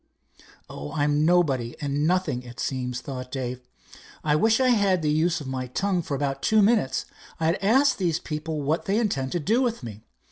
"Oh, I'm nobody and nothing, it seems," thought Dave. "Wish I had the use of my tongue for about two minutes. I'd ask these people what they intend to do with me.